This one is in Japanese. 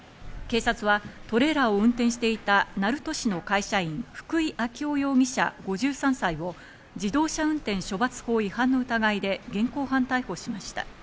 警察はトレーラーを運転していた鳴門市の会社員・福井暁生容疑者、５３歳を自動車運転処罰法違反の疑いで現行犯逮捕しました。